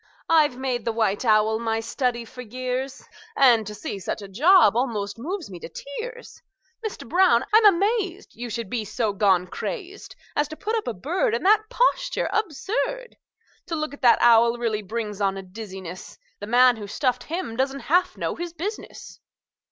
I've made the white owl my study for years, And to see such a job almost moves me to tears! Mister Brown, I'm amazed You should be so gone crazed As to put up a bird In that posture absurd! To look at that owl really brings on a dizziness; The man who stuffed him don't half know his business!"